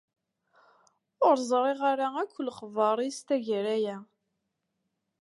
Ur ẓriɣ ara akk lexbar-is tagara-a.